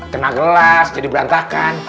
kenal gelas jadi berantakan